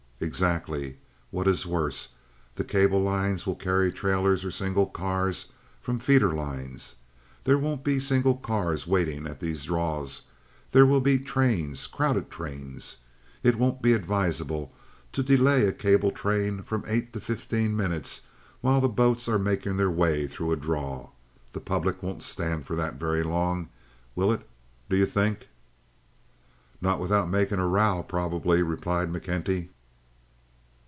"Exactly. But what is worse, the cable lines will carry trailers, or single cars, from feeder lines. There won't be single cars waiting at these draws—there will be trains, crowded trains. It won't be advisable to delay a cable train from eight to fifteen minutes while boats are making their way through a draw. The public won't stand for that very long, will it, do you think?" "Not without making a row, probably," replied McKenty.